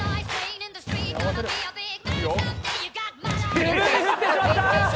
自分に振ってしまった！